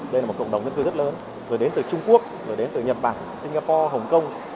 đây là một cộng đồng dân cư rất lớn vừa đến từ trung quốc vừa đến từ nhật bản singapore hồng kông